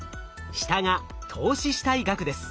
下が投資したい額です。